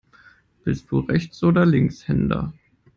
Bist du Rechts- oder Linkshänder?